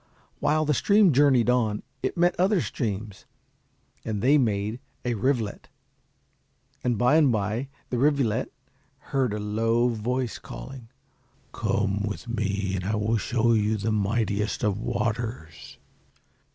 While the stream journeyed on, it met other streams and they made a rivulet, and by and by the rivulet heard a low voice calling, "Come with me and I will show you the mightiest of waters."